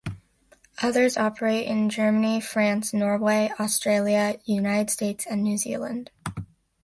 Others operate in Germany, France, Norway, Australia, United States and New Zealand.